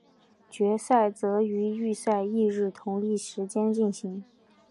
决赛则于预赛翌日同一时间进行。